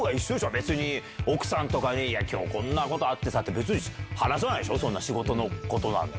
別に奥さんとかに、いや、きょう、こんなことがあってさって、別に話さないでしょ、そんな仕事のことなんて。